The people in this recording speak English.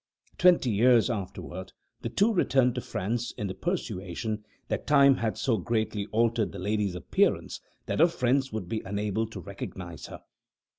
Twenty years afterward, the two returned to France, in the persuasion that time had so greatly altered the lady's appearance that her friends would be unable to recognize her.